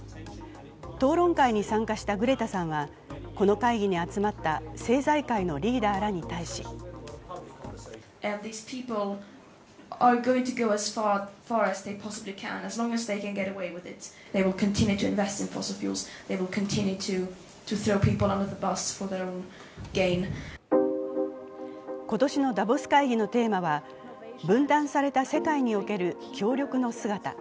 討論会に参加したグレタさんは、この会議に集まった政財界のリーダーらに対し今年のダボス会議のテーマは「分断された世界における協力の姿」。